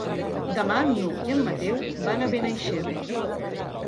Demà n'Hug i en Mateu van a Benaixeve.